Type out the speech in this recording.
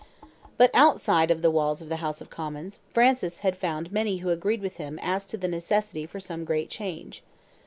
But outside of the walls of the House of Commons, Francis had found many who agreed with him as to the necessity for some great change.